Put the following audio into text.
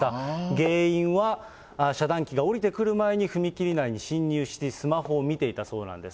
原因は、遮断機が下りてくる前に踏切内に進入し、スマホを見ていたそうなんです。